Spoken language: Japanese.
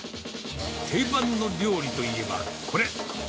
定番の料理といえば、これ。